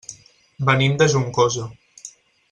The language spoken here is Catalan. Venim de Juncosa.